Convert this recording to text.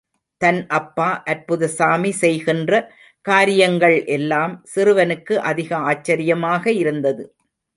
தன் அப்பா அற்புதசாமி செய்கின்ற காரியங்கள் எல்லாம், சிறுவனுக்கு அதிக ஆச்சரியமாக இருந்தது.